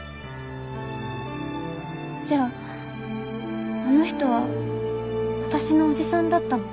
じゃああの人は私の叔父さんだったの？